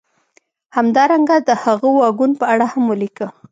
همدارنګه د هغه واګون په اړه هم ولیکه